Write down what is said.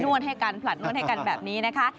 วดให้กันผลัดนวดให้กันแบบนี้นะคะ